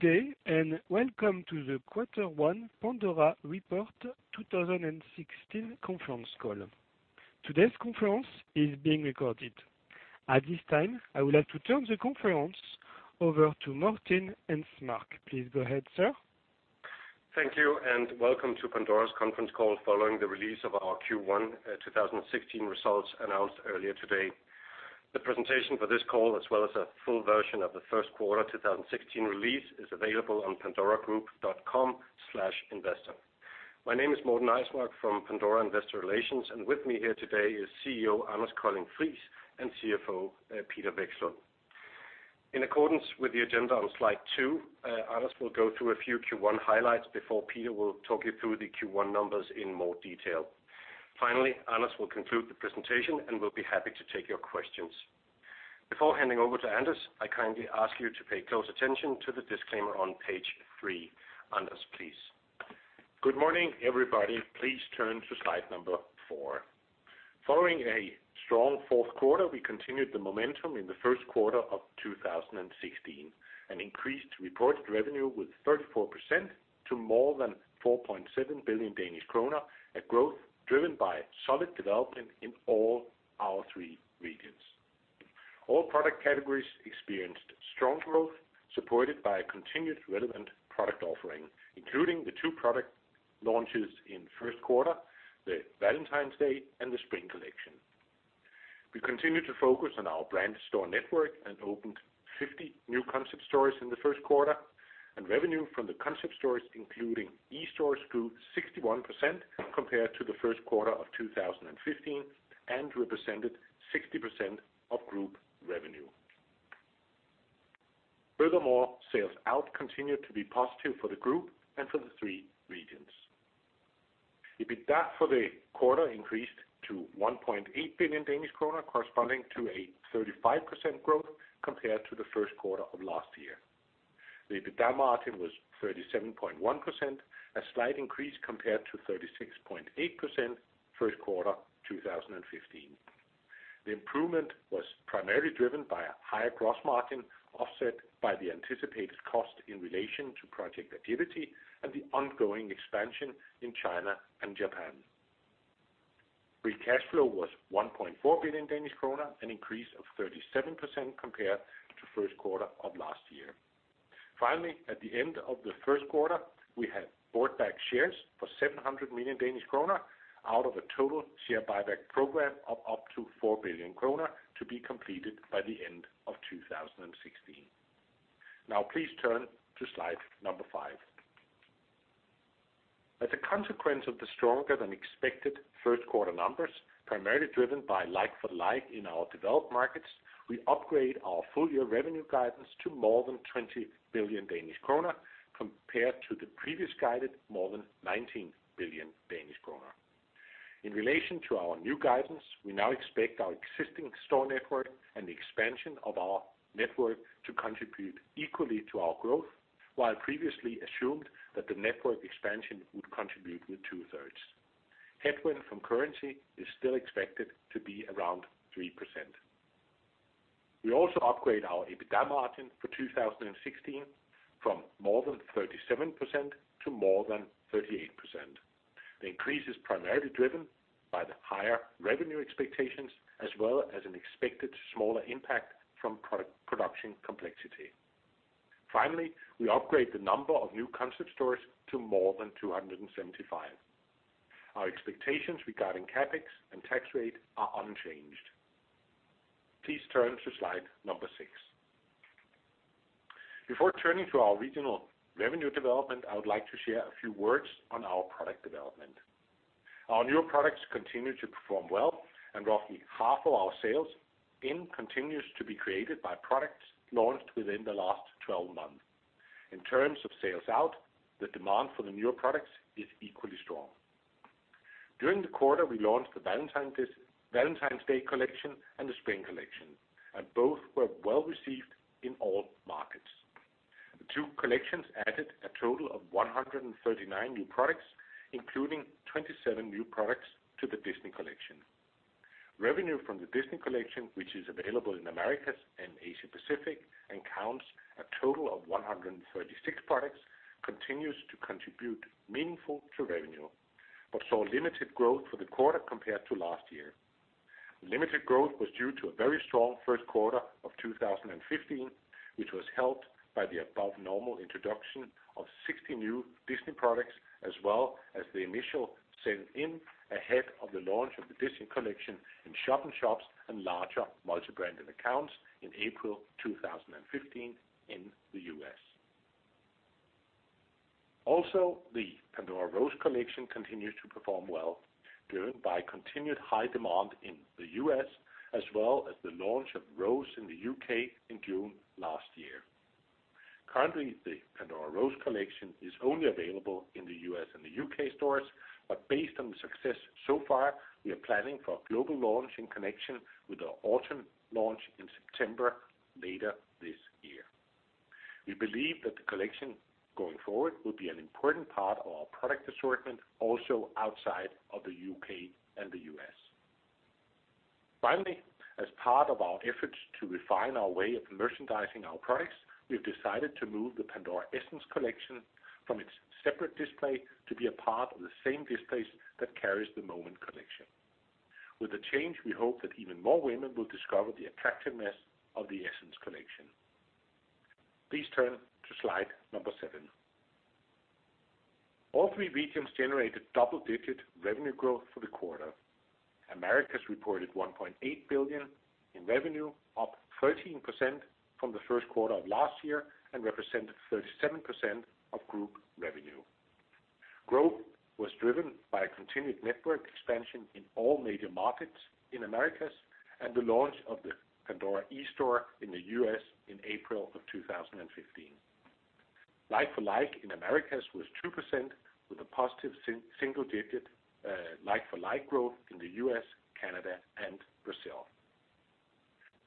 Good day, and welcome to the quarter one Pandora report 2016 conference call. Today's conference is being recorded. At this time, I would like to turn the conference over to Morten Eismark. Please go ahead, sir. Thank you, and welcome to Pandora's conference call following the release of our Q1, 2016 results announced earlier today. The presentation for this call, as well as a full version of the first quarter 2016 release, is available on pandoragroup.com/investor. My name is Morten Eismark from Pandora Investor Relations, and with me here today is CEO Anders Colding Friis and CFO Peter Vekslund. In accordance with the agenda on slide two, Anders will go through a few Q1 highlights before Peter will talk you through the Q1 numbers in more detail. Finally, Anders will conclude the presentation, and we'll be happy to take your questions. Before handing over to Anders, I kindly ask you to pay close attention to the disclaimer on page three. Anders, please. Good morning, everybody. Please turn to slide number four. Following a strong fourth quarter, we continued the momentum in the first quarter of 2016, and increased reported revenue with 34% to more than 4.7 billion Danish kroner, a growth driven by solid development in all our three regions. All product categories experienced strong growth, supported by a continued relevant product offering, including the two product launches in first quarter, the Valentine's Day and the spring collection. We continued to focus on our brand store network and opened 50 new concept stores in the first quarter, and revenue from the concept stores, including eStore, grew 61% compared to the first quarter of 2015, and represented 60% of group revenue. Furthermore, sales out continued to be positive for the group and for the three regions. EBITDA for the quarter increased to 1.8 billion Danish kroner, corresponding to a 35% growth compared to the first quarter of last year. The EBITDA margin was 37.1%, a slight increase compared to 36.8%, first quarter, 2015. The improvement was primarily driven by a higher gross margin, offset by the anticipated cost in relation to project activity and the ongoing expansion in China and Japan. Free cash flow was 1.4 billion Danish krone, an increase of 37% compared to first quarter of last year. Finally, at the end of the first quarter, we had bought back shares for 700 million Danish kroner out of a total share buyback program of up to 4 billion kroner to be completed by the end of 2016. Now, please turn to slide number five. As a consequence of the stronger than expected first quarter numbers, primarily driven by like-for-like in our developed markets, we upgrade our full year revenue guidance to more than 20 billion Danish kroner compared to the previous guided more than 19 billion Danish kroner. In relation to our new guidance, we now expect our existing store network and the expansion of our network to contribute equally to our growth, while previously assumed that the network expansion would contribute with two-thirds. Headwind from currency is still expected to be around 3%. We also upgrade our EBITDA margin for 2016 from more than 37% to more than 38%. The increase is primarily driven by the higher revenue expectations, as well as an expected smaller impact from product production complexity. Finally, we upgrade the number of new concept stores to more than 275. Our expectations regarding CapEx and tax rate are unchanged. Please turn to slide number six. Before turning to our regional revenue development, I would like to share a few words on our product development. Our newer products continue to perform well, and roughly half of our sell-in continues to be created by products launched within the last 12 months. In terms of sales out, the demand for the newer products is equally strong. During the quarter, we launched the Valentine's Day collection and the spring collection, and both were well received in all markets. The two collections added a total of 139 new products, including 27 new products to the Disney collection. Revenue from the Disney collection, which is available in Americas and Asia Pacific and counts a total of 136 products, continues to contribute meaningful to revenue, but saw limited growth for the quarter compared to last year. Limited growth was due to a very strong first quarter of 2015, which was helped by the above normal introduction of 60 new Disney products, as well as the initial sell-in ahead of the launch of the Disney collection in shop-in-shops and larger multi-branded stores in April 2015 in the U.S. Also, the Pandora Rose collection continues to perform well, driven by continued high demand in the U.S., as well as the launch of Rose in the U.K. in June last year. Currently, the Pandora Rose collection is only available in the U.S. and the U.K. stores, but based on the success so far, we are planning for a global launch in connection with the autumn launch in September later this year. We believe that the collection going forward will be an important part of our product assortment, also outside of the U.K. and the U.S. Finally, as part of our efforts to refine our way of merchandising our products, we've decided to move the Pandora Essence collection from its separate display to be a part of the same displays that carries the Moments collection. With the change, we hope that even more women will discover the attractiveness of the Essence collection. Please turn to slide number seven. All three regions generated double-digit revenue growth for the quarter. Americas reported 1.8 billion in revenue, up 13% from the first quarter of last year, and represented 37% of group revenue. Growth was driven by a continued network expansion in all major markets in Americas, and the launch of the Pandora eStore in the U.S. in April of 2015. Like-for-like in Americas was 2%, with a positive single digit like-for-like growth in the U.S., Canada, and Brazil.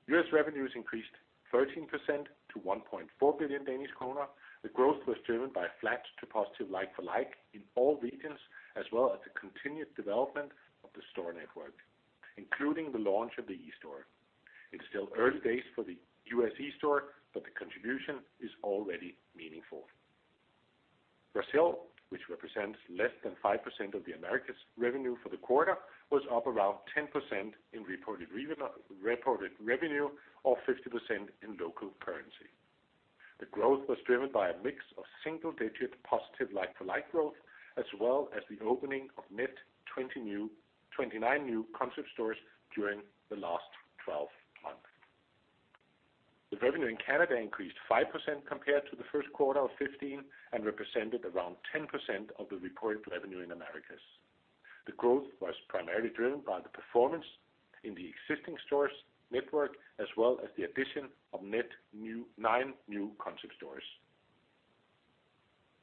U.S. revenues increased 13% to 1.4 billion Danish kroner. The growth was driven by flat to positive like-for-like in all regions, as well as the continued development of the store network, including the launch of the eStore. It's still early days for the U.S. eStore, but the contribution is already meaningful. Brazil, which represents less than 5% of the Americas revenue for the quarter, was up around 10% in reported revenue, reported revenue, or 50% in local currency. The growth was driven by a mix of single-digit positive like-for-like growth, as well as the opening of net 29 new concept stores during the last 12 months. The revenue in Canada increased 5% compared to the first quarter of 2015, and represented around 10% of the reported revenue in Americas. The growth was primarily driven by the performance in the existing stores network, as well as the addition of net nine new concept stores.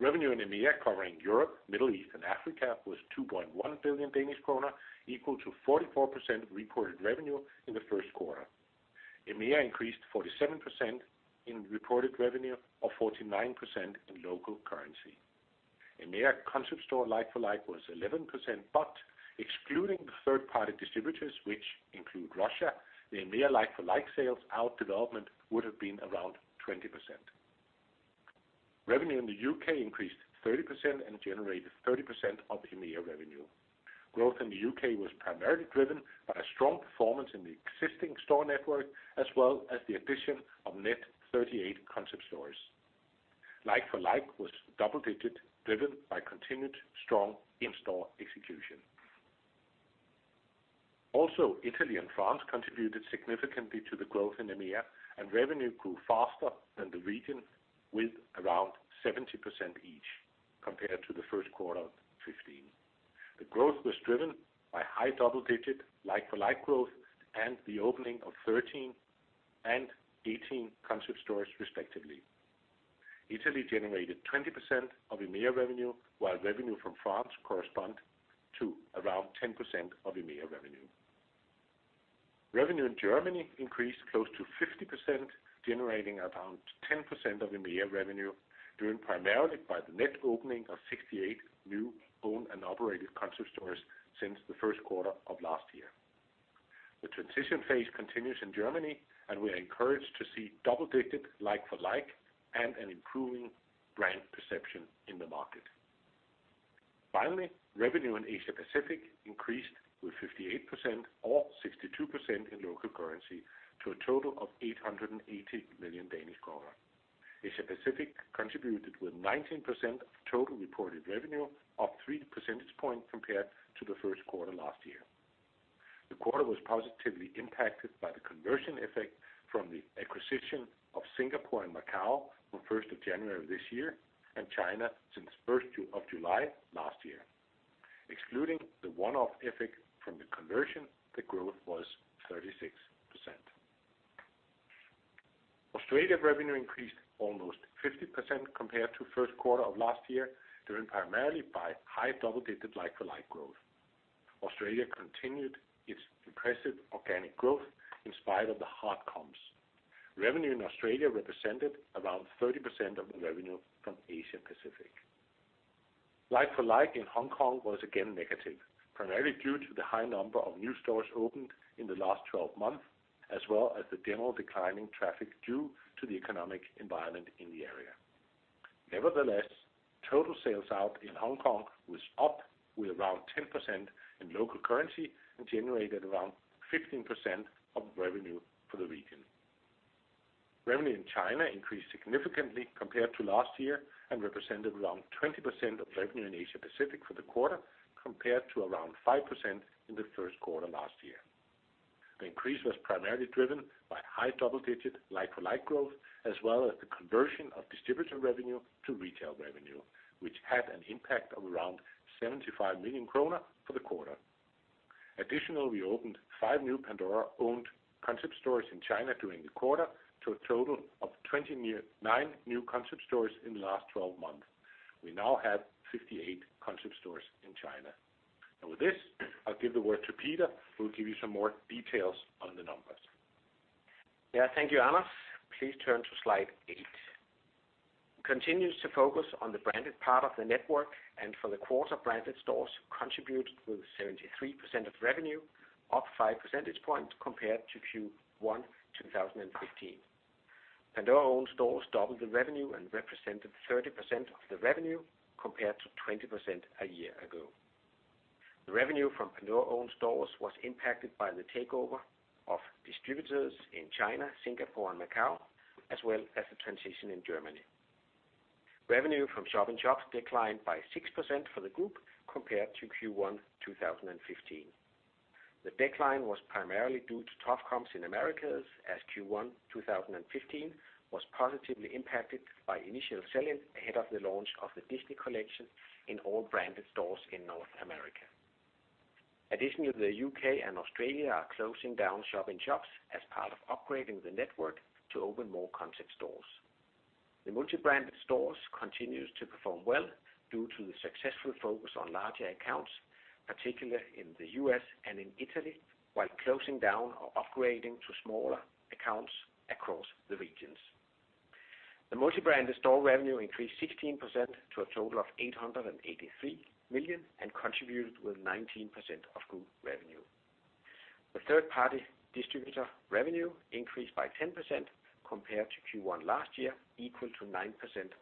Revenue in EMEA, covering Europe, Middle East, and Africa, was 2.1 billion Danish krone, equal to 44% of reported revenue in the first quarter. EMEA increased 47% in reported revenue, or 49% in local currency. EMEA concept store like-for-like was 11%, but excluding the third-party distributors, which include Russia, the EMEA like-for-like sales out development would have been around 20%. Revenue in the U.K. increased 30% and generated 30% of EMEA revenue. Growth in the U.K. was primarily driven by a strong performance in the existing store network, as well as the addition of net 38 concept stores. Like-for-like was double digits, driven by continued strong in-store execution. Also, Italy and France contributed significantly to the growth in EMEA, and revenue grew faster than the region, with around 70% each compared to the first quarter of 2015. The growth was driven by high double-digit like-for-like growth and the opening of 13 and 18 concept stores, respectively. Italy generated 20% of EMEA revenue, while revenue from France correspond to around 10% of EMEA revenue. Revenue in Germany increased close to 50%, generating around 10% of EMEA revenue, driven primarily by the net opening of 68 new owned and operated concept stores since the first quarter of last year. The transition phase continues in Germany, and we are encouraged to see double-digit like-for-like and an improving brand perception in the market. Finally, revenue in Asia Pacific increased with 58% or 62% in local currency to a total of 880 million Danish kroner. Asia Pacific contributed with 19% of total reported revenue, up 3 percentage points compared to the first quarter last year. The quarter was positively impacted by the conversion effect from the acquisition of Singapore and Macau on January 1 of this year and China since July 1 last year. Excluding the one-off effect from the conversion, the growth was 36%. Australia revenue increased almost 50% compared to first quarter of last year, driven primarily by high double-digit like-for-like growth. Australia continued its impressive organic growth in spite of the hard comps. Revenue in Australia represented around 30% of the revenue from Asia Pacific. Like-for-like in Hong Kong was again negative, primarily due to the high number of new stores opened in the last 12 months, as well as the general declining traffic due to the economic environment in the area. Nevertheless, total sales out in Hong Kong was up with around 10% in local currency and generated around 15% of revenue for the region. Revenue in China increased significantly compared to last year and represented around 20% of revenue in Asia Pacific for the quarter, compared to around 5% in the first quarter last year. The increase was primarily driven by high double-digit, like-for-like growth, as well as the conversion of distributor revenue to retail revenue, which had an impact of around 75 million kroner for the quarter. Additionally, we opened five new Pandora-owned concept stores in China during the quarter, to a total of 29 new concept stores in the last 12 months. We now have 58 concept stores in China. With this, I'll give the word to Peter, who will give you some more details on the numbers. Yeah, thank you, Anders. Please turn to slide eight....continues to focus on the branded part of the network, and for the quarter, branded stores contributed with 73% of revenue, up five percentage points compared to Q1 2015. Pandora-owned stores doubled the revenue and represented 30% of the revenue, compared to 20% a year ago. The revenue from Pandora-owned stores was impacted by the takeover of distributors in China, Singapore, and Macau, as well as the transition in Germany. Revenue from shop-in-shops declined by 6% for the group, compared to Q1 2015. The decline was primarily due to tough comps in Americas, as Q1 2015 was positively impacted by initial selling ahead of the launch of the Disney collection in all branded stores in North America. Additionally, the U.K. and Australia are closing down shop-in-shops as part of upgrading the network to open more concept stores. The multi-branded stores continues to perform well due to the successful focus on larger accounts, particularly in the U.S. and in Italy, while closing down or upgrading to smaller accounts across the regions. The multi-branded store revenue increased 16% to a total of 883 million, and contributed with 19% of group revenue. The third party distributor revenue increased by 10% compared to Q1 last year, equal to 9%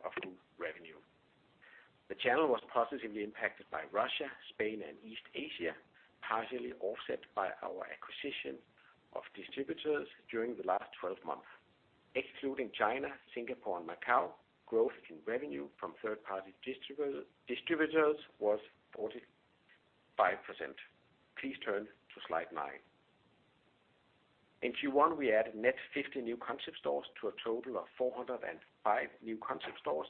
of group revenue. The channel was positively impacted by Russia, Spain, and East Asia, partially offset by our acquisition of distributors during the last twelve months. Excluding China, Singapore, and Macau, growth in revenue from third party distributors was 45%. Please turn to slide nine. In Q1, we added net 50 new concept stores to a total of 405 new concept stores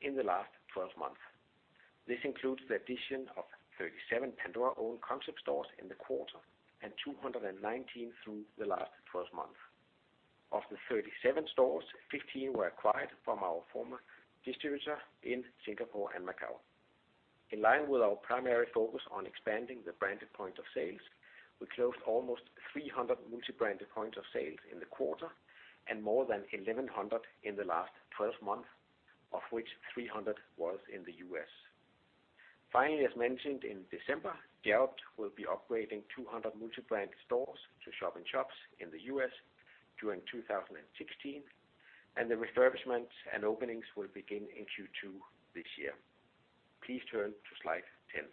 in the last twelve months. This includes the addition of 37 Pandora-owned concept stores in the quarter and 219 through the last twelve months. Of the 37 stores, 15 were acquired from our former distributor in Singapore and Macau. In line with our primary focus on expanding the branded point of sales, we closed almost 300 multi-branded points of sale in the quarter, and more than 1,100 in the last twelve months, of which 300 was in the U.S. Finally, as mentioned in December, Jared will be upgrading 200 multi-brand stores to shop-in-shops in the U.S. during 2016, and the refurbishment and openings will begin in Q2 this year. Please turn to slide 10.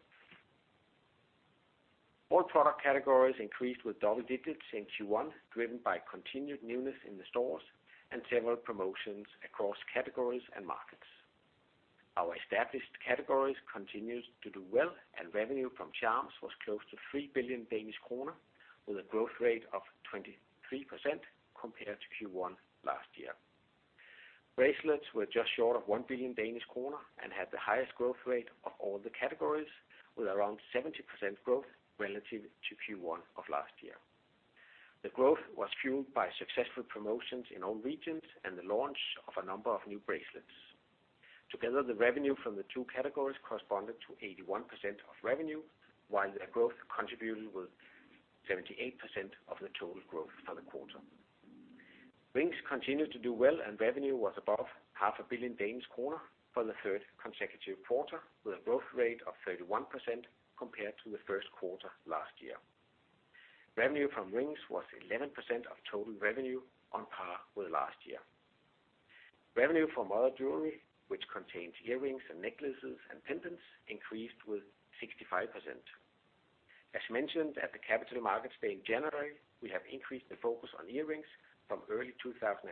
All product categories increased with double digits in Q1, driven by continued newness in the stores and several promotions across categories and markets. Our established categories continued to do well, and revenue from charms was close to 3 billion Danish kroner, with a growth rate of 23% compared to Q1 last year. Bracelets were just short of 1 billion Danish kroner and had the highest growth rate of all the categories, with around 70% growth relative to Q1 of last year. The growth was fueled by successful promotions in all regions and the launch of a number of new bracelets. Together, the revenue from the two categories corresponded to 81% of revenue, while their growth contributed with 78% of the total growth for the quarter. Rings continued to do well, and revenue was above 0.5 billion Danish kroner for the third consecutive quarter, with a growth rate of 31% compared to the first quarter last year. Revenue from rings was 11% of total revenue, on par with last year. Revenue from other jewelry, which contains earrings and necklaces and pendants, increased with 65%. As mentioned at the Capital Markets Day in January, we have increased the focus on earrings from early 2016,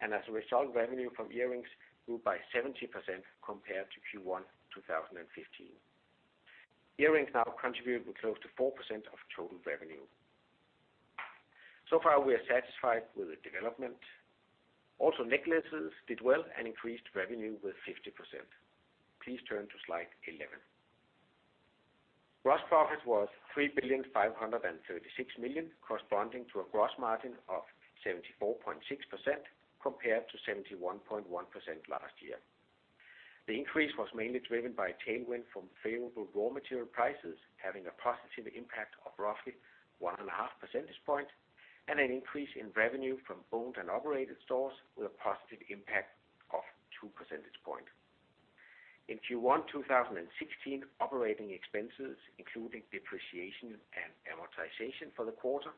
and as a result, revenue from earrings grew by 70% compared to Q1, 2015. Earrings now contribute with close to 4% of total revenue. So far, we are satisfied with the development. Also, necklaces did well and increased revenue with 50%. Please turn to slide 11. Gross profit was 3,536 million, corresponding to a gross margin of 74.6%, compared to 71.1% last year. The increase was mainly driven by a tailwind from favorable raw material prices, having a positive impact of roughly 1.5 percentage point, and an increase in revenue from owned and operated stores with a positive impact of 2 percentage point. In Q1 2016, operating expenses, including depreciation and amortization for the quarter,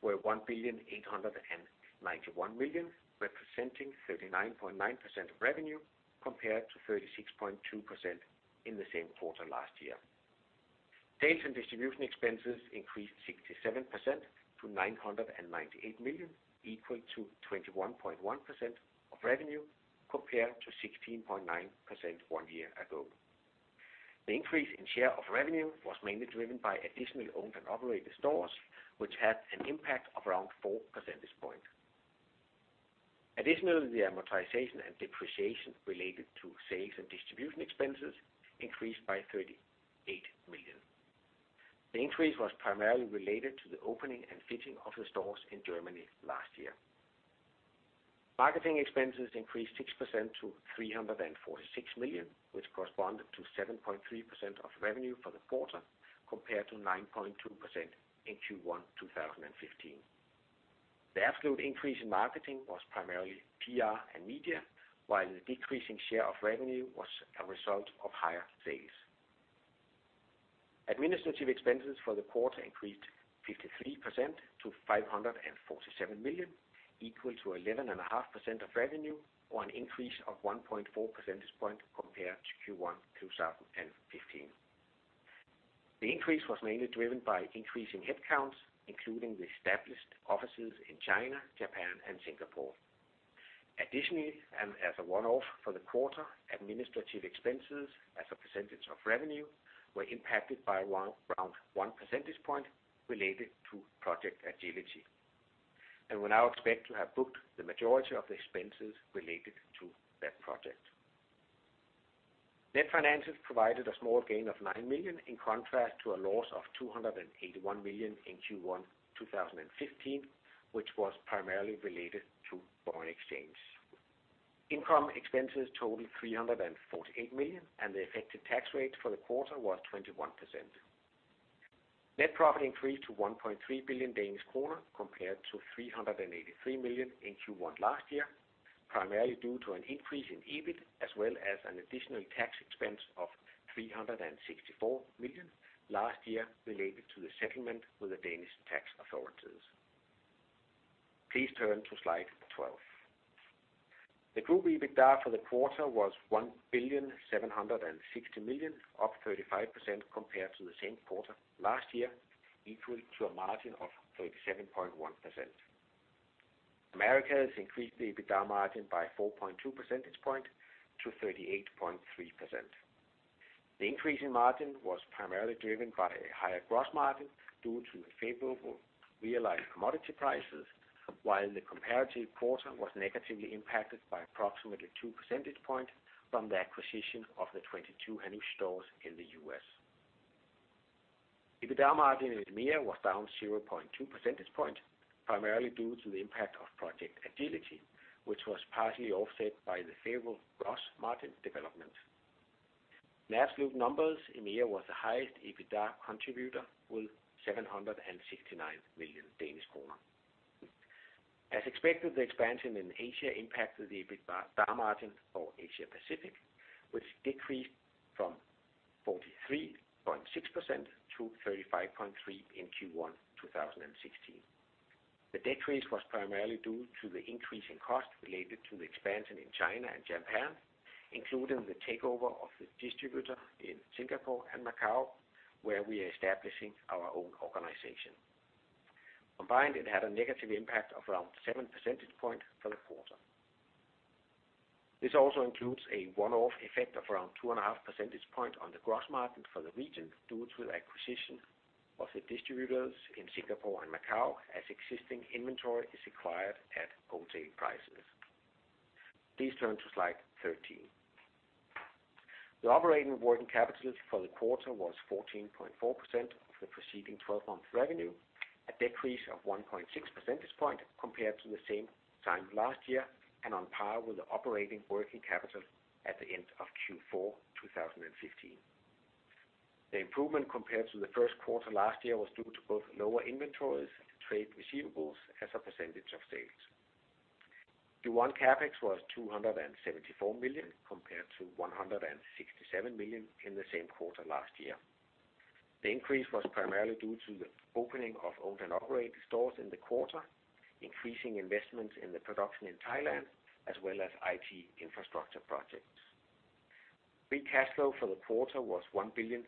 were 1,891 million, representing 39.9% of revenue, compared to 36.2% in the same quarter last year. Sales and distribution expenses increased 67% to 998 million, equal to 21.1% of revenue, compared to 16.9% one year ago. The increase in share of revenue was mainly driven by additional owned and operated stores, which had an impact of around 4 percentage point. Additionally, the amortization and depreciation related to sales and distribution expenses increased by 38 million. The increase was primarily related to the opening and fitting of the stores in Germany last year. Marketing expenses increased 6% to 346 million, which corresponded to 7.3% of revenue for the quarter, compared to 9.2% in Q1, 2015. The absolute increase in marketing was primarily PR and media, while the decreasing share of revenue was a result of higher sales. Administrative expenses for the quarter increased 53% to 547 million, equal to 11.5% of revenue, or an increase of 1.4 percentage points compared to Q1, 2015. The increase was mainly driven by increasing headcounts, including the established offices in China, Japan, and Singapore. Additionally, as a one-off for the quarter, administrative expenses as a percentage of revenue were impacted by around 1 percentage point related to Project Agility, and we now expect to have booked the majority of the expenses related to that project. Net finances provided a small gain of 9 million, in contrast to a loss of 281 million in Q1 2015, which was primarily related to foreign exchange. Income expenses totaled 348 million, and the effective tax rate for the quarter was 21%. Net profit increased to 1.3 billion Danish kroner, compared to 383 million in Q1 last year, primarily due to an increase in EBIT, as well as an additional tax expense of 364 million last year related to the settlement with the Danish tax authorities. Please turn to slide 12. The group EBITDA for the quarter was 1,760 million, up 35% compared to the same quarter last year, equal to a margin of 37.1%. Americas increased the EBITDA margin by 4.2 percentage point to 38.3%. The increase in margin was primarily driven by a higher gross margin due to the favorable realized commodity prices, while the comparative quarter was negatively impacted by approximately two percentage points from the acquisition of the 22 Hannoush stores in the U.S. EBITDA margin in EMEA was down 0.2 percentage point, primarily due to the impact of Project Agility, which was partially offset by the favorable gross margin development. In absolute numbers, EMEA was the highest EBITDA contributor, with 769 million Danish kroner. As expected, the expansion in Asia impacted the EBITDA margin for Asia Pacific, which decreased from 43.6% to 35.3% in Q1, 2016. The decrease was primarily due to the increase in cost related to the expansion in China and Japan, including the takeover of the distributor in Singapore and Macau, where we are establishing our own organization. Combined, it had a negative impact of around 7 percentage points for the quarter. This also includes a one-off effect of around 2.5 percentage points on the gross margin for the region, due to the acquisition of the distributors in Singapore and Macau, as existing inventory is acquired at wholesale prices. Please turn to slide 13. The operating working capital for the quarter was 14.4% of the preceding twelve-month revenue, a decrease of 1.6 percentage points compared to the same time last year, and on par with the operating working capital at the end of Q4, 2015. The improvement compared to the first quarter last year was due to both lower inventories and trade receivables as a percentage of sales. Q1 CapEx was 274 million, compared to 167 million in the same quarter last year. The increase was primarily due to the opening of owned and operated stores in the quarter, increasing investments in the production in Thailand, as well as IT infrastructure projects. Free cash flow for the quarter was 1,356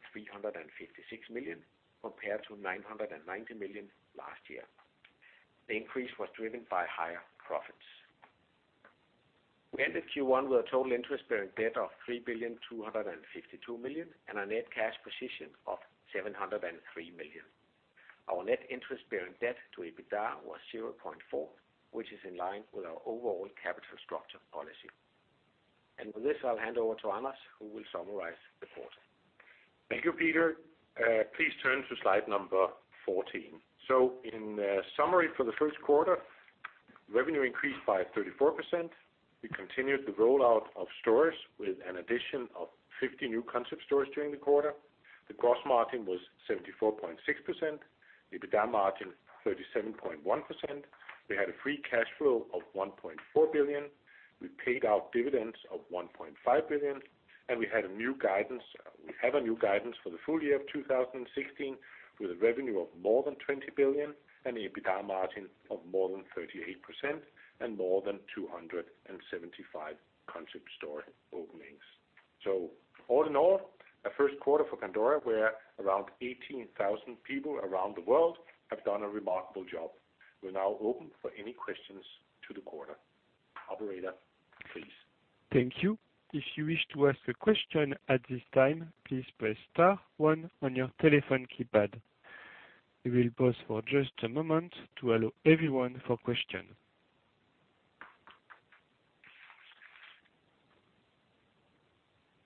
million, compared to 990 million last year. The increase was driven by higher profits. We ended Q1 with a total interest-bearing debt of 3.252 billion and a net cash position of 703 million. Our net interest-bearing debt to EBITDA was 0.4, which is in line with our overall capital structure policy. With this, I'll hand over to Anders, who will summarize the quarter. Thank you, Peter. Please turn to slide number 14. So in summary for the first quarter, revenue increased by 34%. We continued the rollout of stores with an addition of 50 new concept stores during the quarter. The gross margin was 74.6%, EBITDA margin 37.1%. We had a free cash flow of 1.4 billion. We paid out dividends of 1.5 billion, and we had a new guidance—we have a new guidance for the full year of 2016, with a revenue of more than 20 billion and EBITDA margin of more than 38% and more than 275 concept store openings. So all in all, a first quarter for Pandora, where around 18,000 people around the world have done a remarkable job. We're now open for any questions to the quarter. Operator, please. Thank you. If you wish to ask a question at this time, please press star one on your telephone keypad. We will pause for just a moment to allow everyone for question.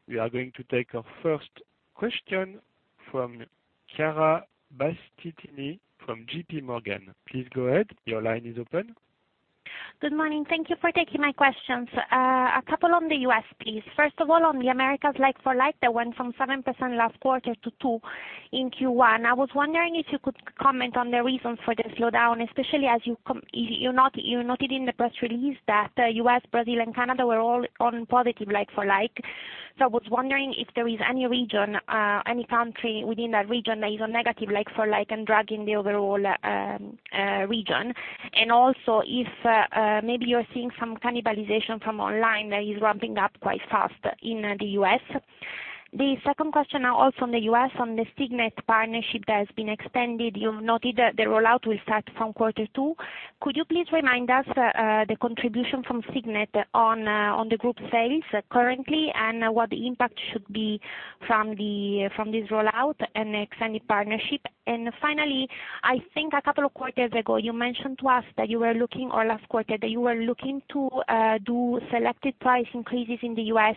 We are going to take our first question from Chiara Battistini from JPMorgan. Please go ahead. Your line is open. Good morning. Thank you for taking my questions. A couple on the U.S., please. First of all, on the Americas like-for-like, that went from 7% last quarter to 2% in Q1. I was wondering if you could comment on the reasons for the slowdown, especially as you noted in the press release that U.S., Brazil, and Canada were all on positive like-for-like. So I was wondering if there is any region, any country within that region that is on negative like-for-like and dragging the overall region? And also, if maybe you're seeing some cannibalization from online that is ramping up quite fast in the U.S. The second question now, also on the U.S., on the Signet partnership that has been extended, you've noted that the rollout will start from quarter two. Could you please remind us, the contribution from Signet on, on the group sales currently, and what the impact should be from the, from this rollout and extended partnership? And finally, I think a couple of quarters ago, you mentioned to us that you were looking, or last quarter, that you were looking to, do selected price increases in the U.S.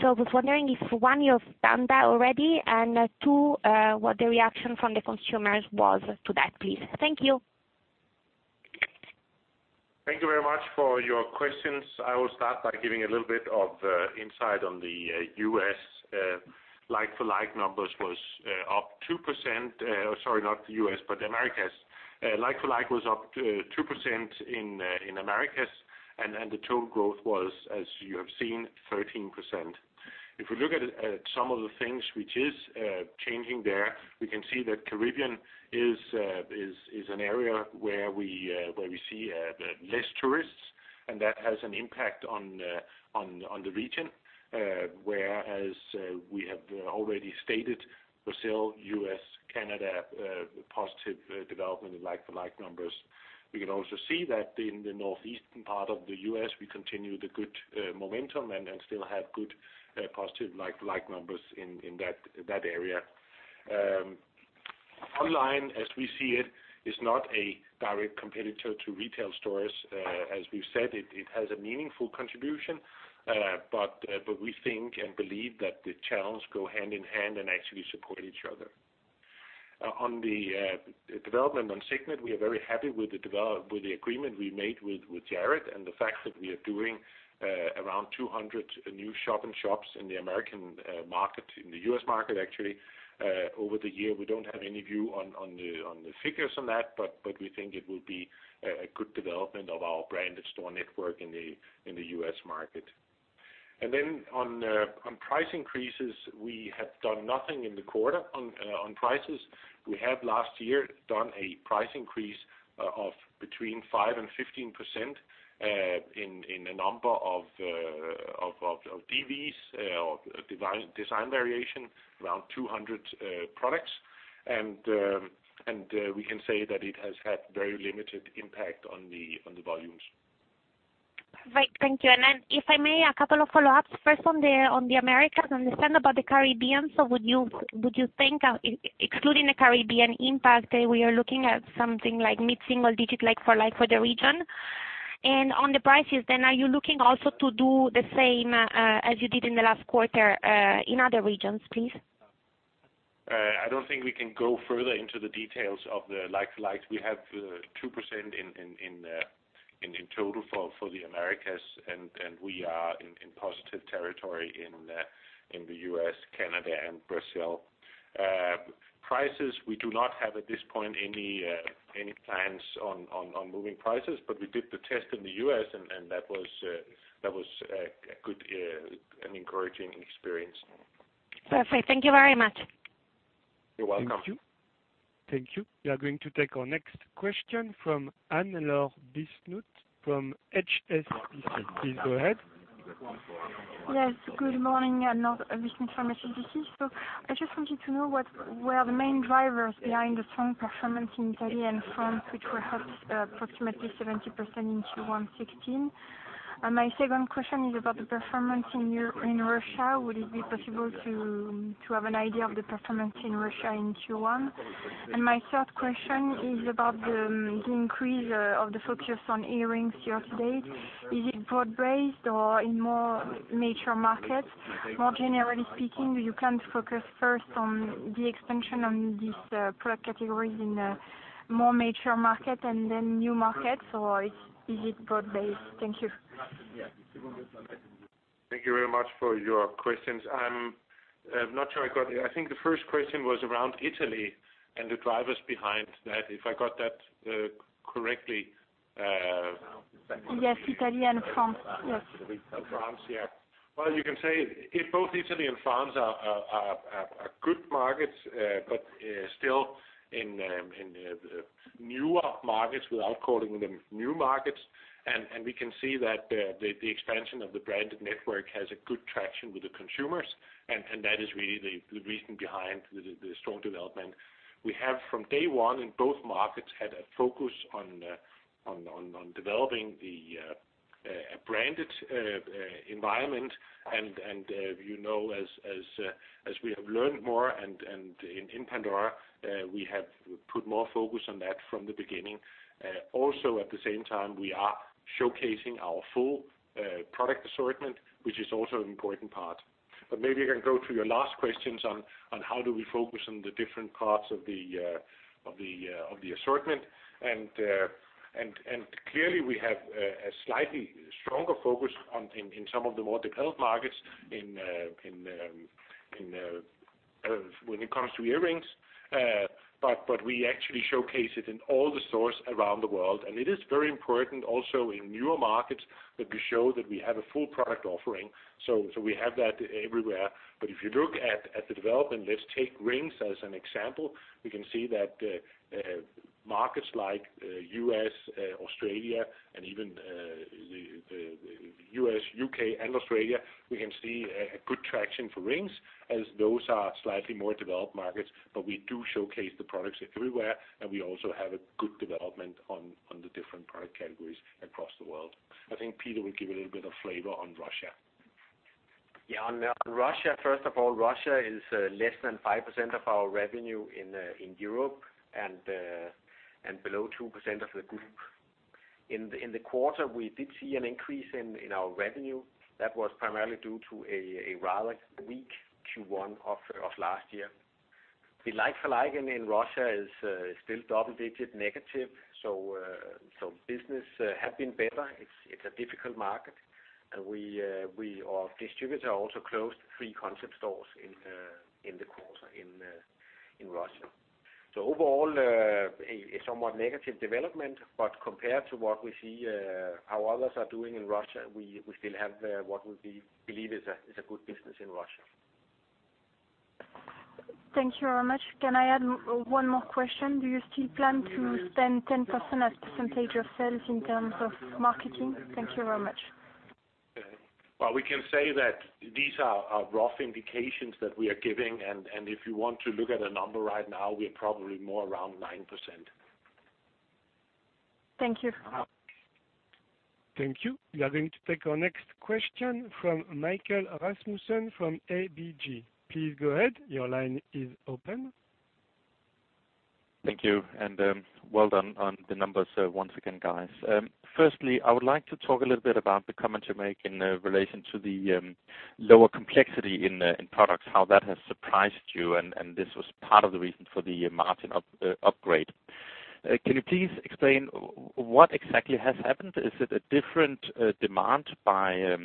So I was wondering if, one, you've done that already, and, two, what the reaction from the consumers was to that, please? Thank you. Thank you very much for your questions. I will start by giving a little bit of insight on the U.S. like-for-like numbers was up 2%- sorry, not the U.S., but the Americas. Like-for-like was up 2% in Americas, and the total growth was, as you have seen, 13%. If we look at some of the things which is changing there, we can see that Caribbean is an area where we see less tourists, and that has an impact on the region. Whereas we have already stated, Brazil, U.S., Canada positive development in like-for-like numbers. We can also see that in the northeastern part of the U.S., we continue the good momentum and still have good positive like-for-like numbers in that area. Online, as we see it, is not a direct competitor to retail stores. As we've said, it has a meaningful contribution, but we think and believe that the channels go hand in hand and actually support each other. On the development on Signet, we are very happy with the agreement we made with Jared, and the fact that we are doing around 200 new shop-in-shops in the American market, in the U.S. market, actually, over the year. We don't have any view on the figures on that, but we think it will be a good development of our branded store network in the US market. And then on price increases, we have done nothing in the quarter on prices. We have last year done a price increase of between 5%-15% in a number of DVs or design variation around 200 products. And we can say that it has had very limited impact on the volumes. Right. Thank you. And then if I may, a couple of follow-ups. First, on the, on the Americas, I understand about the Caribbean, so would you, would you think, excluding the Caribbean impact, that we are looking at something like mid-single digit like-for-like for the region? And on the prices, then are you looking also to do the same, as you did in the last quarter, in other regions, please? I don't think we can go further into the details of the like-for-like. We have 2% in total for the Americas, and we are in positive territory in the U.S., Canada, and Brazil. Prices, we do not have, at this point, any plans on moving prices, but we did the test in the U.S., and that was a good and encouraging experience. Perfect. Thank you very much. You're welcome. Thank you. Thank you. We are going to take our next question from Anne-Laure Bismuth from HSBC. Please go ahead. Yes, good morning, Anne-Laure Bismuth from HSBC. So I just wanted to know what were the main drivers behind the strong performance in Italy and France, which were up approximately 70% in Q1 2016? And my second question is about the performance in Russia. Would it be possible to have an idea of the performance in Russia in Q1? And my third question is about the increase of the focus on earrings year to date. Is it broad-based or in more mature markets? More generally speaking, you can focus first on the expansion on these product categories in more mature market, and then new markets, or is it broad-based? Thank you. Thank you very much for your questions. I'm not sure I got it. I think the first question was around Italy and the drivers behind that, if I got that correctly. Yes, Italy and France, yes. France, yeah. Well, you can say both Italy and France are good markets, but still in newer markets, without calling them new markets. We can see that the expansion of the branded network has good traction with the consumers, and that is really the reason behind the strong development. We have, from day one, in both markets, had a focus on developing a branded environment. You know, as we have learned more and in Pandora, we have put more focus on that from the beginning. Also, at the same time, we are showcasing our full product assortment, which is also an important part.... But maybe I can go to your last questions on how we focus on the different parts of the assortment? And clearly, we have a slightly stronger focus on in some of the more developed markets when it comes to earrings. But we actually showcase it in all the stores around the world. And it is very important also in newer markets that we show that we have a full product offering, so we have that everywhere. But if you look at the development, let's take rings as an example, we can see that markets like U.S., Australia, and even the U.S., U.K., and Australia, we can see a good traction for rings, as those are slightly more developed markets, but we do showcase the products everywhere, and we also have a good development on the different product categories across the world. I think Peter will give a little bit of flavor on Russia. Yeah, on Russia, first of all, Russia is less than 5% of our revenue in Europe, and below 2% of the group. In the quarter, we did see an increase in our revenue. That was primarily due to a rather weak Q1 of last year. The like-for-like in Russia is still double-digit negative, so business have been better. It's a difficult market, and we. Our distributor also closed three concept stores in the quarter in Russia. So overall, a somewhat negative development, but compared to what we see how others are doing in Russia, we still have what we believe is a good business in Russia. Thank you very much. Can I add one more question? Do you still plan to spend 10% as percentage of sales in terms of marketing? Thank you very much. Well, we can say that these are rough indications that we are giving, and if you want to look at a number right now, we're probably more around 9%. Thank you. Thank you. We are going to take our next question from Michael Rasmussen from ABG. Please go ahead, your line is open. Thank you, and well done on the numbers, once again, guys. Firstly, I would like to talk a little bit about the comment you make in relation to the lower complexity in products, how that has surprised you, and this was part of the reason for the margin upgrade. Can you please explain what exactly has happened? Is it a different demand by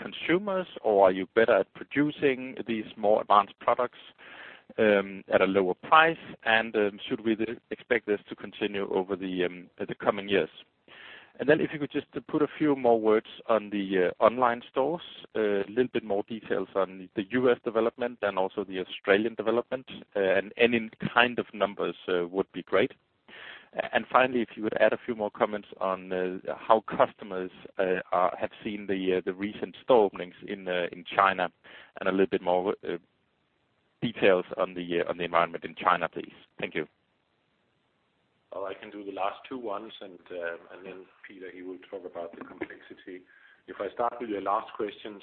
consumers, or are you better at producing these more advanced products at a lower price? And should we expect this to continue over the coming years? And then if you could just put a few more words on the online stores, a little bit more details on the U.S. development and also the Australian development, and any kind of numbers would be great. And finally, if you would add a few more comments on how customers have seen the recent store openings in China, and a little bit more details on the environment in China, please. Thank you. Well, I can do the last two ones, and then Peter, he will talk about the complexity. If I start with your last questions,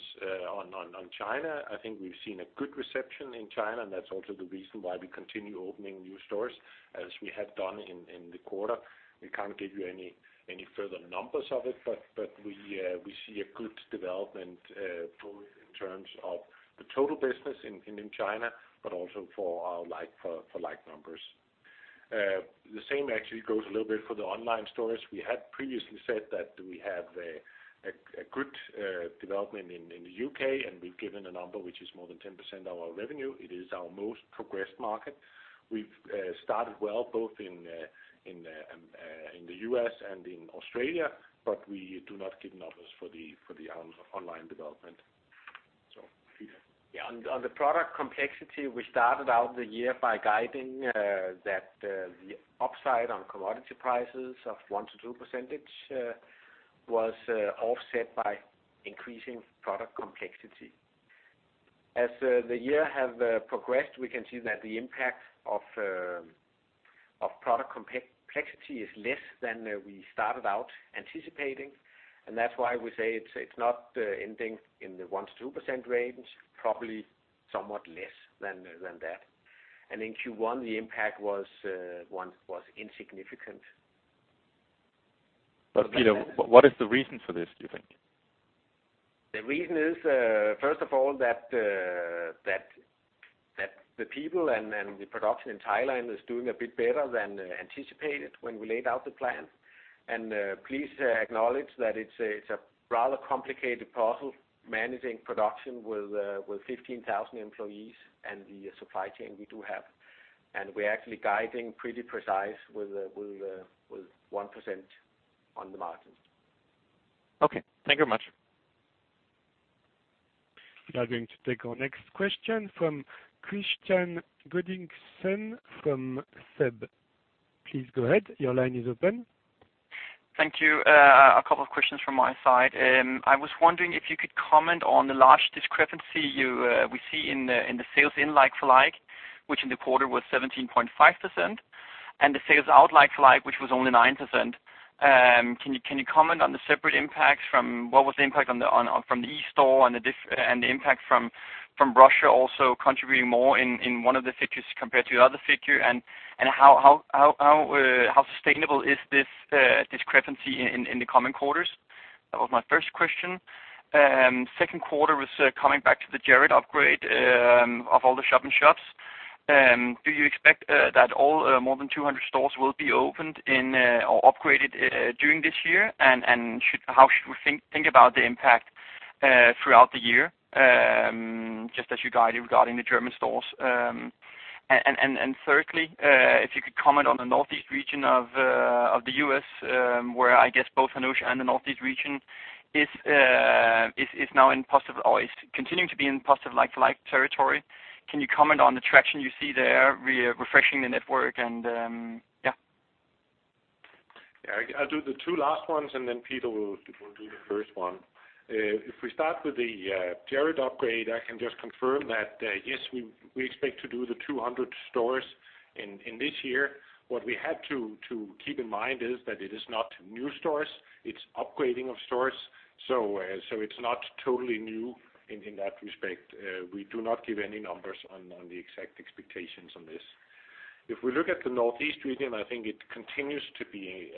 on China, I think we've seen a good reception in China, and that's also the reason why we continue opening new stores, as we have done in the quarter. We can't give you any further numbers of it, but we see a good development, both in terms of the total business in China, but also for our like-for-like numbers. The same actually goes a little bit for the online stores. We had previously said that we have a good development in the U.K., and we've given a number which is more than 10% of our revenue. It is our most progressed market. We've started well both in the U.S. and in Australia, but we do not give numbers for the online development. So, Peter? Yeah, on the product complexity, we started out the year by guiding that the upside on commodity prices of 1%-2% was offset by increasing product complexity. As the year have progressed, we can see that the impact of product complexity is less than we started out anticipating, and that's why we say it's not ending in the 1%-2% range, probably somewhat less than that. And in Q1, the impact was insignificant. But Peter, what is the reason for this, do you think? The reason is, first of all, that the people and the production in Thailand is doing a bit better than anticipated when we laid out the plan. Please acknowledge that it's a rather complicated puzzle, managing production with 15,000 employees and the supply chain we do have. We're actually guiding pretty precise with 1% on the margin. Okay. Thank you very much. We are going to take our next question from Kristian Godiksen from SEB. Please go ahead, your line is open. Thank you. A couple of questions from my side. I was wondering if you could comment on the large discrepancy you, we see in the sales in like-for-like, which in the quarter was 17.5%, and the sales out like-for-like, which was only 9%. Can you comment on the separate impacts from what was the impact on the, on, from the e-store and the diff- and the impact from- from Russia also contributing more in one of the figures compared to the other figure? And how sustainable is this discrepancy in the coming quarters? That was my first question. Second question was coming back to the Jared upgrade of all the shop-in-shops. Do you expect that all more than 200 stores will be opened in or upgraded during this year? And, should—how should we think think about the impact throughout the year, just as you guided regarding the German stores? And, thirdly, if you could comment on the Northeast region of the U.S., where I guess both Hannoush and the Northeast region is now in positive or is continuing to be in positive like-for-like territory. Can you comment on the traction you see there regarding refreshing the network, and yeah. Yeah, I'll do the two last ones, and then Peter will do the first one. If we start with the Jared upgrade, I can just confirm that, yes, we expect to do the 200 stores in this year. What we have to keep in mind is that it is not new stores, it's upgrading of stores, so it's not totally new in that respect. We do not give any numbers on the exact expectations on this. If we look at the Northeast region, I think it continues to be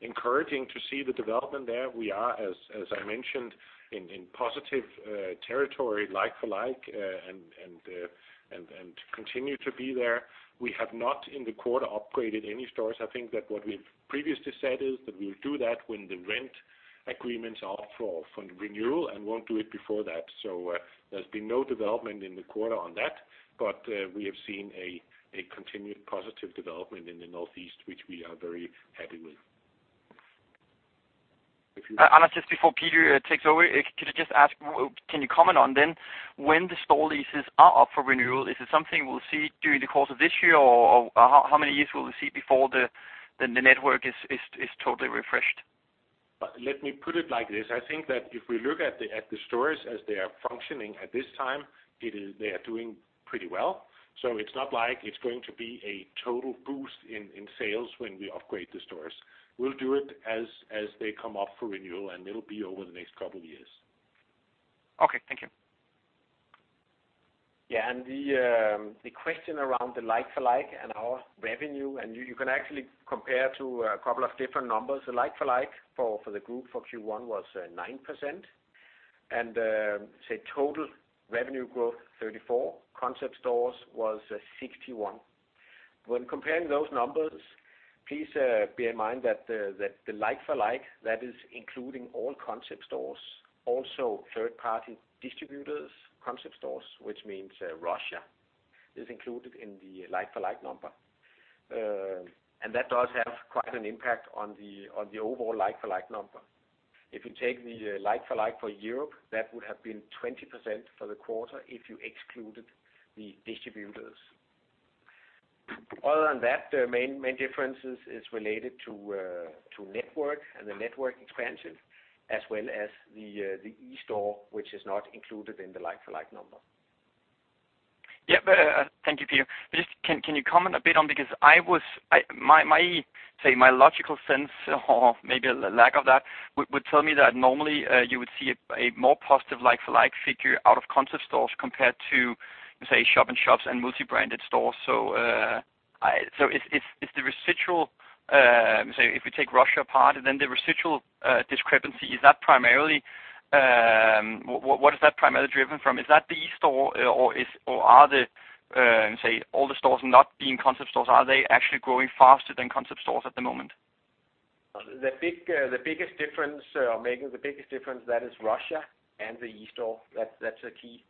encouraging to see the development there. We are, as I mentioned, in positive territory like-for-like, and continue to be there. We have not, in the quarter, upgraded any stores. I think that what we've previously said is that we'll do that when the rent agreements are up for renewal and won't do it before that. So, there's been no development in the quarter on that, but we have seen a continued positive development in the Northeast, which we are very happy with. Anders, just before Peter takes over, could I just ask, can you comment on then, when the store leases are up for renewal, is it something we'll see during the course of this year, or how many years will we see before the network is totally refreshed? Let me put it like this. I think that if we look at the stores as they are functioning at this time, it is—they are doing pretty well. So it's not like it's going to be a total boost in sales when we upgrade the stores. We'll do it as they come up for renewal, and it'll be over the next couple of years. Okay, thank you. Yeah, and the question around the like-for-like and our revenue, and you can actually compare to a couple of different numbers. The like-for-like for the group for Q1 was 9%, and total revenue growth 34%, concept stores was 61%. When comparing those numbers, please bear in mind that the like-for-like, that is including all concept stores, also third-party distributors, concept stores, which means Russia is included in the like-for-like number. And that does have quite an impact on the overall like-for-like number. If you take the like-for-like for Europe, that would have been 20% for the quarter if you excluded the distributors. Other than that, the main differences is related to network and the network expansion, as well as the eStore, which is not included in the like-for-like number. Yeah, but thank you, Peter. Just, can you comment a bit on... because my logical sense or maybe lack of that would tell me that normally you would see a more positive like-for-like figure out of concept stores compared to, say, shop-in-shops and multi-branded stores. So, if you take Russia apart, and then the residual discrepancy, is that primarily what is that primarily driven from? Is that the eStore, or are the, say, all the stores not being concept stores, are they actually growing faster than concept stores at the moment? The biggest difference, or making the biggest difference, that is Russia and the eStore. That's, that's the key,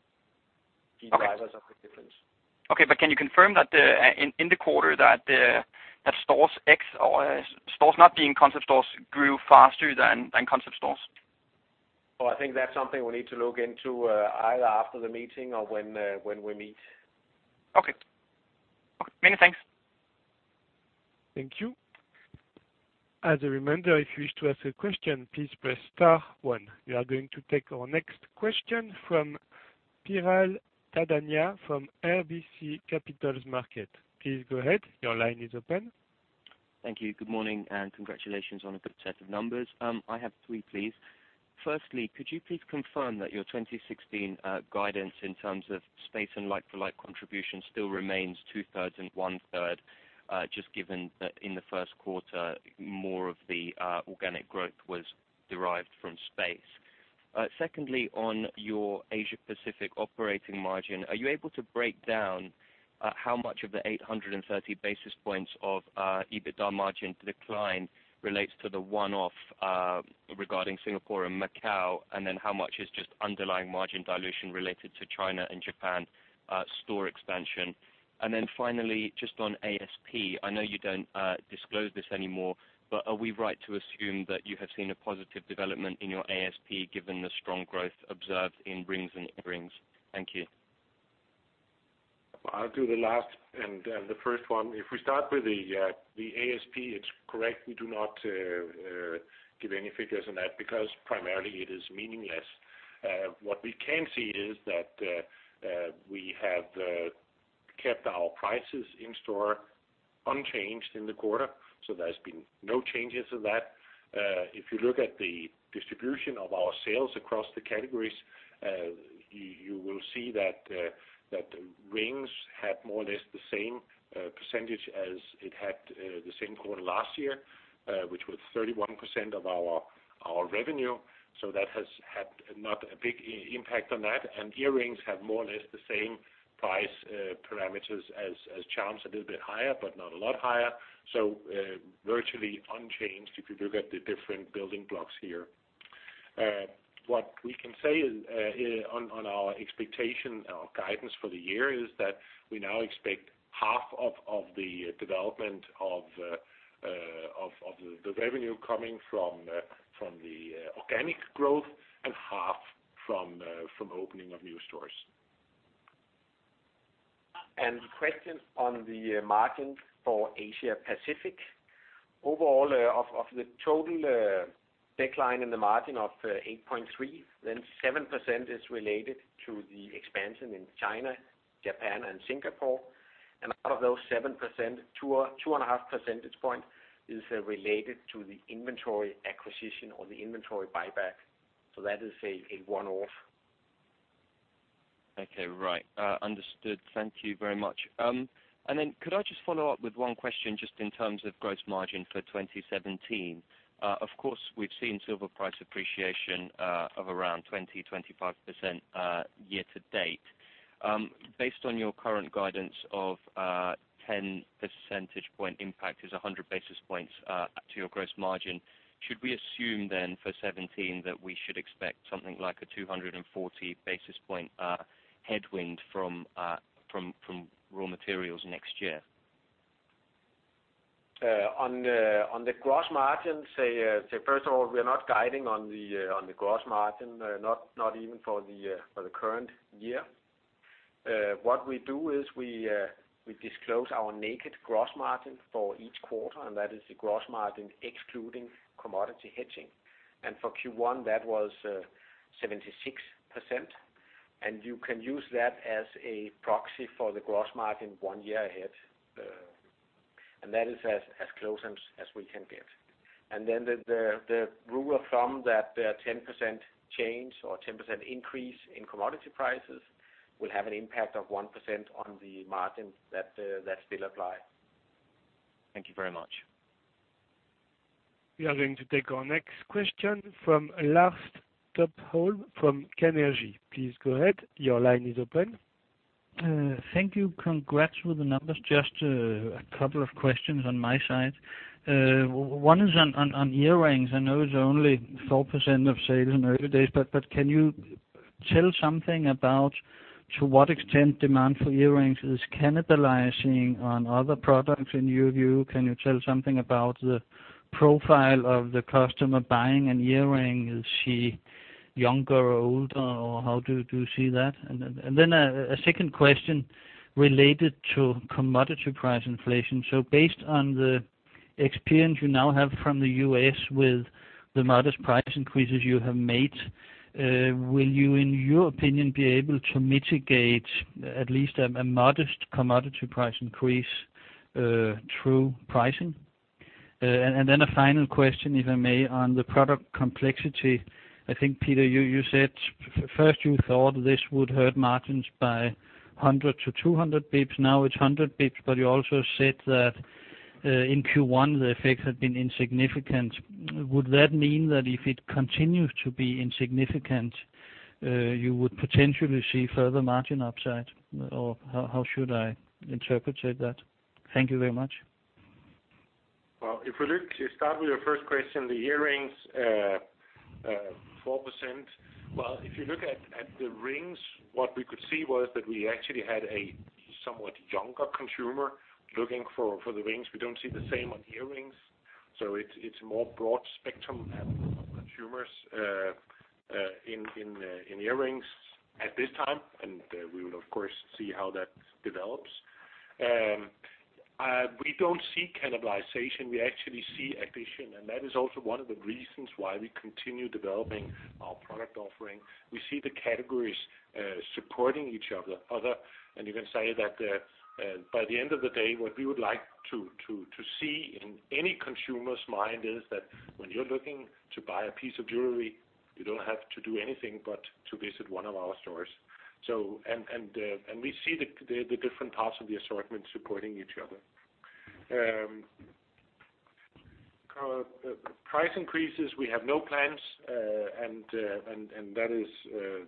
key drivers of the difference. Okay, but can you confirm that in the quarter, that stores ex or stores not being concept stores grew faster than concept stores? Oh, I think that's something we need to look into, either after the meeting or when, when we meet. Okay. Okay, many thanks. Thank you. As a reminder, if you wish to ask a question, please press star one. We are going to take our next question from Piral Dadhania from RBC Capital Markets. Please go ahead. Your line is open. Thank you. Good morning, and congratulations on a good set of numbers. I have three, please. Firstly, could you please confirm that your 2016 guidance in terms of space and like-for-like contribution still remains two-thirds and one-third, just given that in the first quarter, more of the organic growth was derived from space. Secondly, on your Asia Pacific operating margin, are you able to break down how much of the 830 basis points of EBITDA margin decline relates to the one-off regarding Singapore and Macau, and then how much is just underlying margin dilution related to China and Japan store expansion? And then finally, just on ASP, I know you don't disclose this anymore, but are we right to assume that you have seen a positive development in your ASP, given the strong growth observed in rings and earrings? Thank you. I'll do the last and the first one. If we start with the ASP, it's correct. We do not give any figures on that, because primarily it is meaningless. What we can see is that we kept our prices in store unchanged in the quarter, so there's been no changes to that. If you look at the distribution of our sales across the categories, you will see that rings had more or less the same percentage as it had the same quarter last year, which was 31% of our revenue. So that has not had a big impact on that, and earrings have more or less the same price parameters as charms, a little bit higher, but not a lot higher. So, virtually unchanged if you look at the different building blocks here. What we can say is, on our expectation, our guidance for the year, is that we now expect half of the development of the revenue coming from the organic growth, and half from opening of new stores. And the question on the margin for Asia Pacific, overall, of the total decline in the margin of 8.3%, then 7% is related to the expansion in China, Japan, and Singapore. And out of those 7%, 2, 2.5 percentage point is related to the inventory acquisition or the inventory buyback. So that is a one-off. Okay. Right. Understood. Thank you very much. And then could I just follow up with one question just in terms of gross margin for 2017? Of course, we've seen silver price appreciation of around 20%-25% year to date. Based on your current guidance of 10 percentage point impact is 100 basis points to your gross margin, should we assume then for 2017 that we should expect something like a 240 basis point headwind from raw materials next year? On the gross margins, first of all, we are not guiding on the gross margin, not even for the current year. What we do is we disclose our naked gross margin for each quarter, and that is the gross margin excluding commodity hedging. And for Q1, that was 76%, and you can use that as a proxy for the gross margin one year ahead. And that is as close as we can get. And then the rule of thumb that a 10% change or 10% increase in commodity prices will have an impact of 1% on the margin, that still apply. Thank you very much. We are going to take our next question from Lars Topholm from Carnegie. Please go ahead. Your line is open. Thank you. Congrats with the numbers. Just a couple of questions on my side. One is on earrings. I know it's only 4% of sales in everyday, but can you tell something about to what extent demand for earrings is cannibalizing on other products in your view? Can you tell something about the profile of the customer buying an earring? Is she younger or older, or how do you see that? And then a second question related to commodity price inflation. So based on the experience you now have from the US with the modest price increases you have made, will you, in your opinion, be able to mitigate at least a modest commodity price increase through pricing? And then a final question, if I may, on the product complexity. I think, Peter, you said first, you thought this would hurt margins by 100-200 basis point. Now it's 100 bps, but you also said that in Q1, the effect had been insignificant. Would that mean that if it continues to be insignificant, you would potentially see further margin upside, or how should I interpret that? Thank you very much. Well, if we look, to start with your first question, the earrings, 4%, well, if you look at the rings, what we could see was that we actually had a somewhat younger consumer looking for the rings. We don't see the same on the earrings, so it's more broad spectrum of consumers in earrings at this time, and we will of course see how that develops. We don't see cannibalization. We actually see addition, and that is also one of the reasons why we continue developing our product offering. We see the categories supporting each other, and you can say that by the end of the day, what we would like to see in any consumer's mind is that when you're looking to buy a piece of jewelry, you don't have to do anything but to visit one of our stores. And we see the different parts of the assortment supporting each other. Price increases, we have no plans, and that is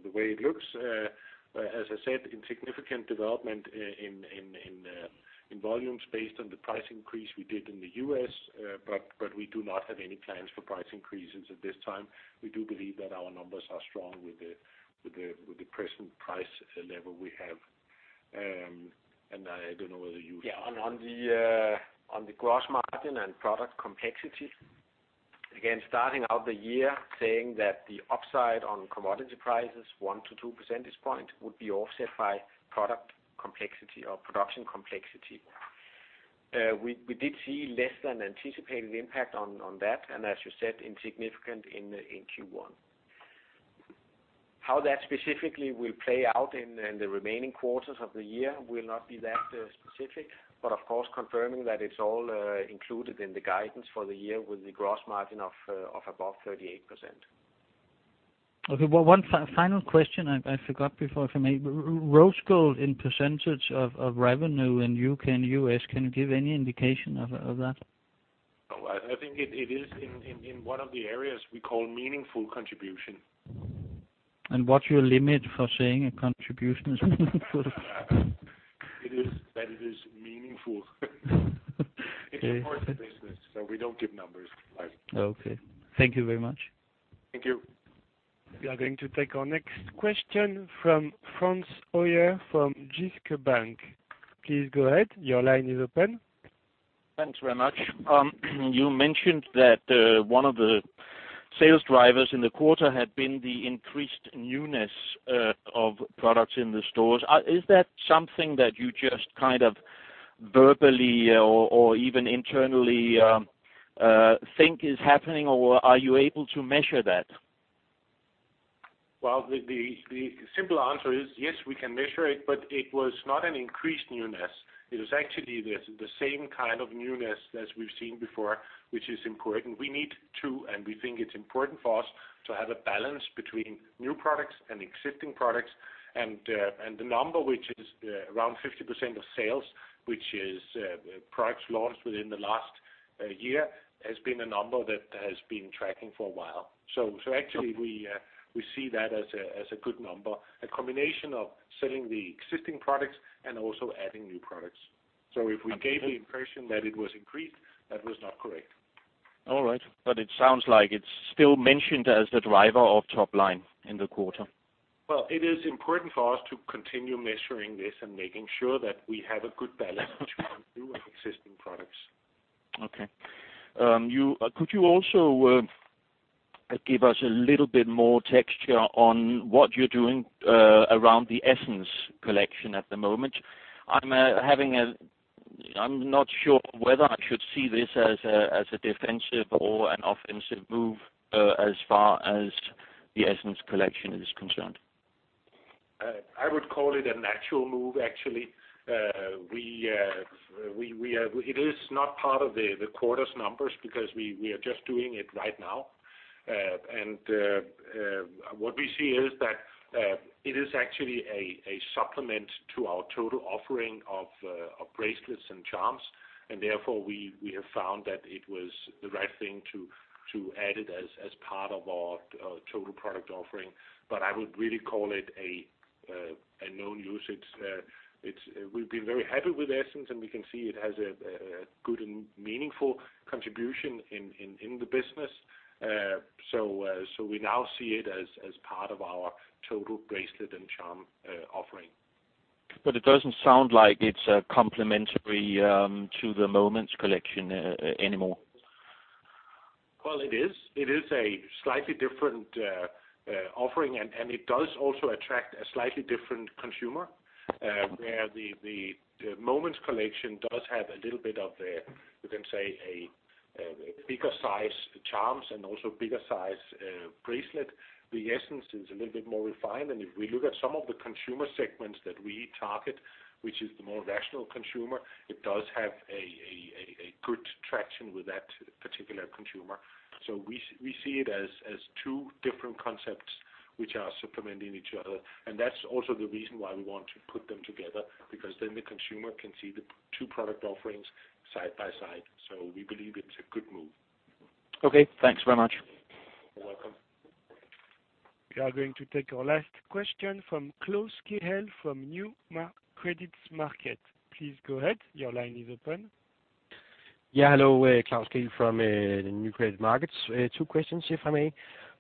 the way it looks. As I said, insignificant development in volumes based on the price increase we did in the U.S., but we do not have any plans for price increases at this time. We do believe that our numbers are strong with the present price level we have. And I don't know whether you- Yeah, on the gross margin and product complexity, again, starting out the year saying that the upside on commodity prices, 1-2 percentage points, would be offset by product complexity or production complexity. We did see less than anticipated impact on that, and as you said, insignificant in Q1. ...How that specifically will play out in, in the remaining quarters of the year will not be that specific, but of course, confirming that it's all, included in the guidance for the year with the gross margin of, of above 38%. Okay, well, one final question I forgot before, if I may. Rose gold in percentage of revenue in U.K. and U.S., can you give any indication of that? Well, I think it is in one of the areas we call meaningful contribution. What's your limit for saying a contribution is meaningful? It is that it is meaningful. It's a part of the business, so we don't give numbers. Okay. Thank you very much. Thank you. We are going to take our next question from Frans Høyer from Jyske Bank. Please go ahead. Your line is open. Thanks very much. You mentioned that one of the sales drivers in the quarter had been the increased newness of products in the stores. Is that something that you just kind of verbally or, or even internally think is happening, or are you able to measure that? Well, the simple answer is yes, we can measure it, but it was not an increased newness. It was actually the same kind of newness as we've seen before, which is important. We need to, and we think it's important for us, to have a balance between new products and existing products. And the number, which is around 50% of sales, which is products launched within the last year, has been a number that has been tracking for a while. So actually we see that as a good number, a combination of selling the existing products and also adding new products. Okay. If we gave the impression that it was increased, that was not correct. All right. But it sounds like it's still mentioned as the driver of top line in the quarter. Well, it is important for us to continue measuring this and making sure that we have a good balance between new and existing products. Okay. Could you also give us a little bit more texture on what you're doing around the Essence collection at the moment? I'm having a... I'm not sure whether I should see this as a defensive or an offensive move as far as the Essence collection is concerned. I would call it a natural move, actually. It is not part of the quarter's numbers, because we are just doing it right now. And what we see is that it is actually a supplement to our total offering of bracelets and charms, and therefore, we have found that it was the right thing to add it as part of our total product offering. But I would really call it a known usage. It is. We have been very happy with Essence, and we can see it has a good and meaningful contribution in the business. So we now see it as part of our total bracelet and charm offering. But it doesn't sound like it's complementary to the Moments collection anymore. Well, it is. It is a slightly different offering, and it does also attract a slightly different consumer. Where the Moments collection does have a little bit of a, you can say, bigger size charms and also bigger size bracelet. The Essence is a little bit more refined, and if we look at some of the consumer segments that we target, which is the more rational consumer, it does have good traction with that particular consumer. So we see it as two different concepts which are supplementing each other, and that's also the reason why we want to put them together, because then the consumer can see the two product offerings side by side. So we believe it's a good move. Okay, thanks very much. You're welcome. We are going to take our last question from Klaus Kehl from Nykredit Markets. Please go ahead. Your line is open. Yeah, hello, Klaus Kehl from Nykredit Markets. Two questions, if I may.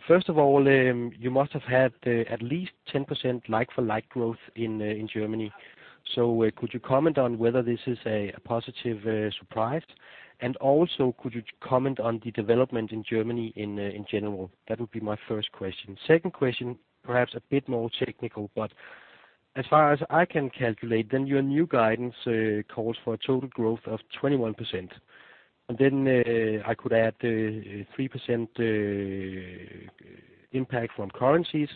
First of all, you must have had at least 10% like-for-like growth in Germany. So, could you comment on whether this is a positive surprise? And also, could you comment on the development in Germany in general? That would be my first question. Second question, perhaps a bit more technical, but as far as I can calculate, then your new guidance calls for a total growth of 21%. And then, I could add 3% impact from currencies,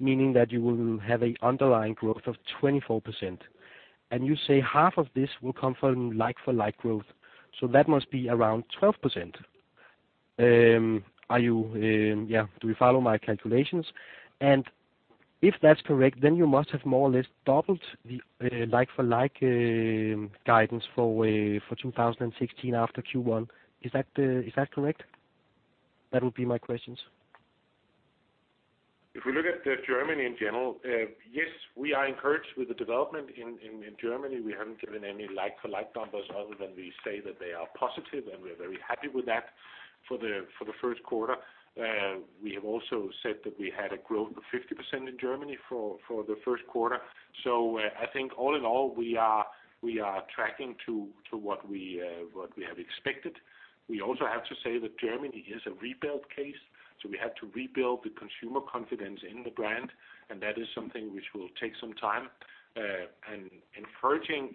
meaning that you will have an underlying growth of 24%. And you say half of this will come from like-for-like growth, so that must be around 12%. Are you, yeah, do you follow my calculations? If that's correct, then you must have more or less doubled the like-for-like guidance for 2016 after Q1. Is that correct? That would be my questions. If we look at Germany in general, yes, we are encouraged with the development in Germany. We haven't given any Like-for-like numbers, other than we say that they are positive, and we are very happy with that for the first quarter. We have also said that we had a growth of 50% in Germany for the first quarter. So, I think all in all, we are tracking to what we had expected. We also have to say that Germany is a rebuild case, so we had to rebuild the consumer confidence in the brand, and that is something which will take some time. And encouraging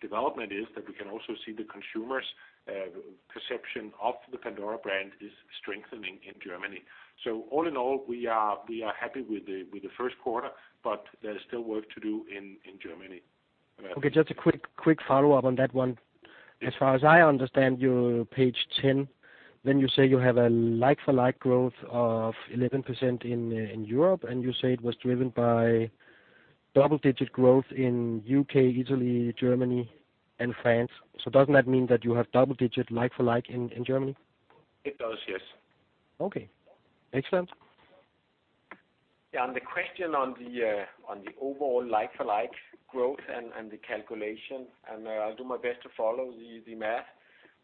development is that we can also see the consumers' perception of the Pandora brand is strengthening in Germany. So all in all, we are happy with the first quarter, but there is still work to do in Germany.... Okay, just a quick, quick follow-up on that one. As far as I understand you, page 10, when you say you have a like-for-like growth of 11% in, in Europe, and you say it was driven by double-digit growth in U.K., Italy, Germany, and France. So doesn't that mean that you have double digit like-for-like in, in Germany? It does, yes. Okay, excellent. Yeah, and the question on the overall like-for-like growth and the calculation, and I'll do my best to follow the math.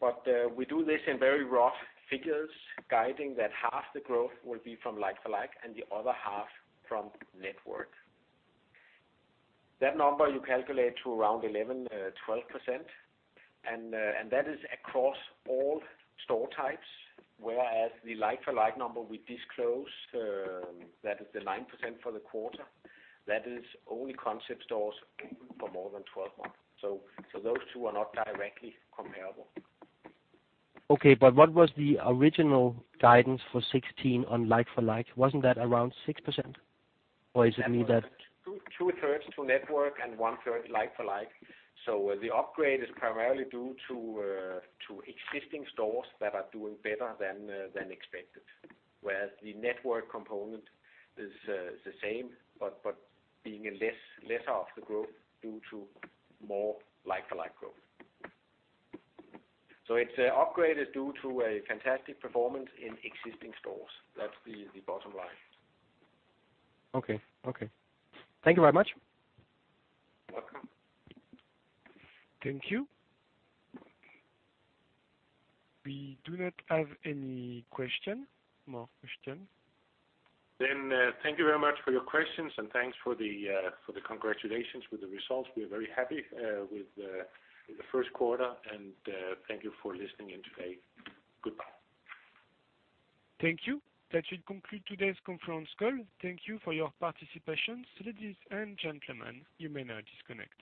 But we do this in very rough figures, guiding that half the growth will be from like-for-like, and the other half from network. That number you calculate to around 11-12%, and that is across all store types. Whereas the like-for-like number we disclose, that is the 9% for the quarter, that is only concept stores for more than 12 months. So those two are not directly comparable. Okay, but what was the original guidance for 2016 on like-for-like? Wasn't that around 6%, or is it only that? Two-thirds to network and one-third like-for-like. So the upgrade is primarily due to to existing stores that are doing better than than expected, whereas the network component is is the same, but but being in less lesser of the growth due to more like-for-like growth. So it's upgrade is due to a fantastic performance in existing stores. That's the bottom line. Okay. Okay. Thank you very much. Welcome. Thank you. We do not have any question, more question. Then, thank you very much for your questions, and thanks for the congratulations with the results. We are very happy with the first quarter, and thank you for listening in today. Goodbye. Thank you. That should conclude today's conference call. Thank you for your participation. Ladies and gentlemen, you may now disconnect.